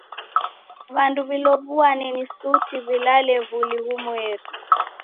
W'andu w'ilow'uane si suti w'ilalew'uli ghumweri.